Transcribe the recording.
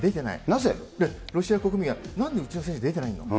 なぜロシア国民が、なんでうちの選手出てないの？